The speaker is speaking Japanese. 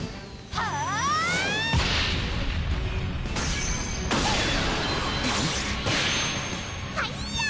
はいやー！